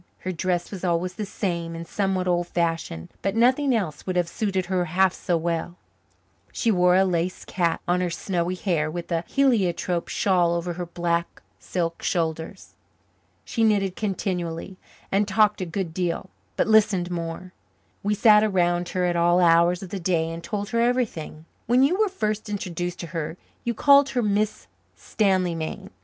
Her dress was always the same and somewhat old fashioned, but nothing else would have suited her half so well; she wore a lace cap on her snowy hair and a heliotrope shawl over her black silk shoulders. She knitted continually and talked a good deal, but listened more. We sat around her at all hours of the day and told her everything. When you were first introduced to her you called her Miss Stanleymain.